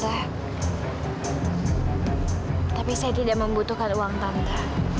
tapi saya tidak membutuhkan uang tangga